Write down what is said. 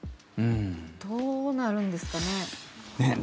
どうなるんですかね。